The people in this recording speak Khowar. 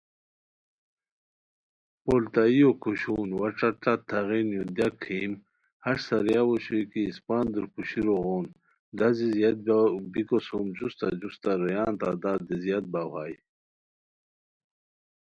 پولتائیو کھوشون وا ݯت ݯت تھاغین یو دیاک ہیم ہݰ ساریاؤ اوشوئے کی اسپاندور کھوشیرو غون ڈازی زیاد بیکو سُم جوستہ جوستہ رویان تعداد دی زیاد باؤ ہائے